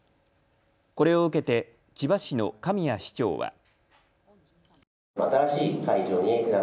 これを受けて千葉市の神谷市長は。